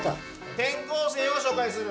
転校生を紹介する。